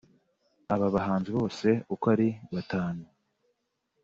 Aba bahanzi bose uko ari batanu